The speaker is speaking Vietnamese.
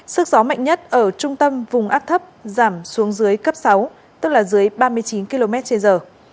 sức gió mạnh nhất ở trung tâm vùng áp thấp giảm xuống dưới cấp sáu tức là dưới ba mươi chín km trên giờ